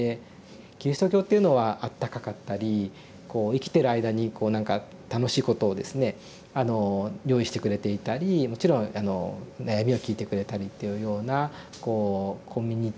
キリスト教っていうのはあったかかったりこう生きてる間にこう何か楽しいことをですね用意してくれていたりもちろん悩みを聞いてくれたりというようなこうコミュニティー